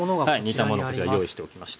煮たものこちら用意しておきました。